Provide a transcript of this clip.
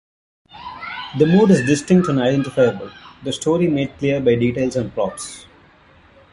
The mood is distinct and identifiable, the story made clear by details and props.